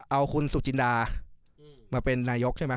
เอาคุณสุจินดามาเป็นนายกใช่ไหม